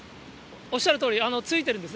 おっしゃるとおりついてるんですね。